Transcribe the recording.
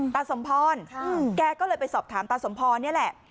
สมพรแกก็เลยไปสอบถามตาสมพรนี่แหละ